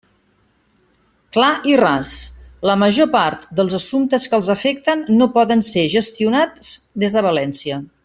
Clar i ras: la major part dels assumptes que els afecten no poden ser gestionats des de València.